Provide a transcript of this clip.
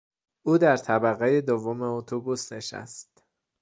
او در طبقهی دوم اتوبوس نشست.